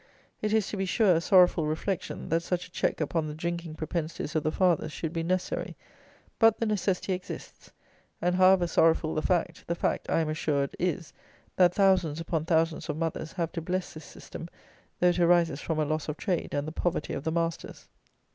It is, to be sure, a sorrowful reflection, that such a check upon the drinking propensities of the fathers should be necessary; but the necessity exists; and, however sorrowful the fact, the fact, I am assured, is, that thousands upon thousands of mothers have to bless this system, though it arises from a loss of trade and the poverty of the masters.